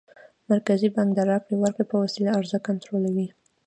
مرکزي بانک د راکړو ورکړو په وسیله عرضه کنټرولوي.